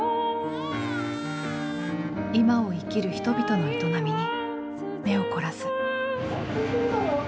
今を生きる人々の営みに目を凝らす。